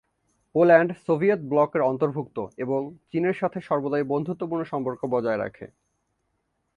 Poland Soviet ব্লকের অন্তর্ভুক্ত এবং চীনের সাথে সর্বদাই বন্ধুত্বপূর্ণ সম্পর্ক বজায় রাখে।